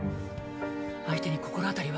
相手に心当たりは？